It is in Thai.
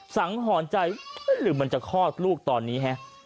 หอนใจหรือมันจะคลอดลูกตอนนี้ฮะ